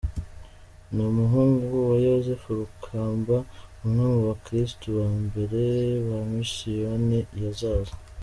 Ni umuhungu wa Yozefu Rukamba, umwe mu bakristu ba mbere ba Misiyoni ya Zaza.